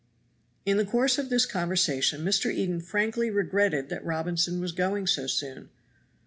In the course of this conversation Mr. Eden frankly regretted that Robinson was going so soon.